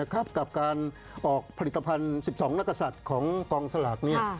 กับการออกผลิตภัณฑ์๑๒นักศัตริย์ของกองสลาก